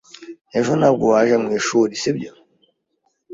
Ejo ntabwo waje mwishuri, sibyo?